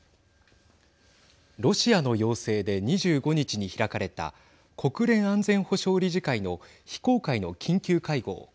ロシアの要請で２５日に開かれた国連安全保障理事会の非公開の緊急会合。